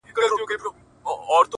اسمان ته مي خاته ناسوني نه دی,